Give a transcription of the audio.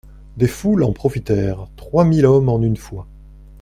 Des foules en profitèrent, trois mille hommes en une fois.